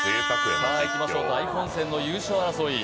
大混戦の優勝争い